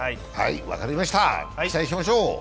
期待しましょう。